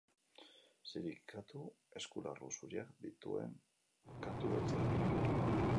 Ziri katu eskularru zuriak dituen katu beltza da.